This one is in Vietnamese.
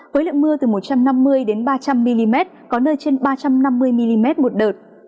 với lượng mưa từ một trăm năm mươi đến ba trăm linh mm có nơi trên ba trăm năm mươi mm một đợt